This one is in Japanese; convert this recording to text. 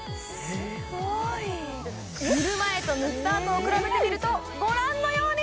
すごい塗る前と塗ったあとを比べてみるとご覧のように！